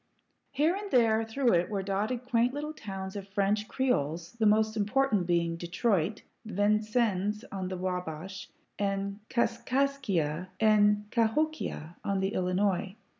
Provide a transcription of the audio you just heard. Here and there through it were dotted quaint little towns of French Creoles, the most important being Detroit, Vincennes on the Wabash, and Kaskaskia and Kahokia on the Illinois.